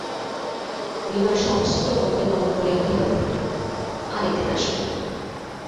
বিনয় সমস্ত মনকে দমন করিয়া কহিল, আর-এক দিন আসব।